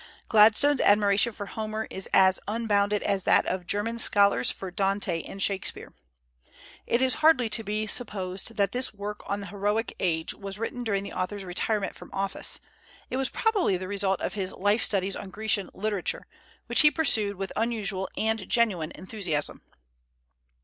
Gladstone's admiration for Homer is as unbounded as that of German scholars for Dante and Shakspeare. It is hardly to be supposed that this work on the heroic age was written during the author's retirement from office; it was probably the result of his life studies on Grecian literature, which he pursued with unusual and genuine enthusiasm.